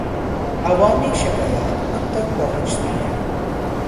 عوامی شکایات ان تک پہنچتی ہیں۔